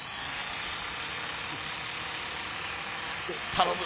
頼む